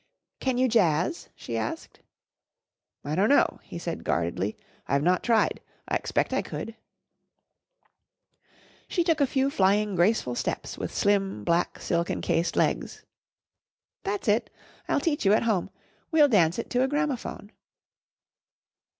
"Can you jazz?" she asked. "I don't know," he said guardedly. "I've not tried. I expect I could." She took a few flying graceful steps with slim black silk encased legs. "That's it. I'll teach you at home. We'll dance it to a gramophone."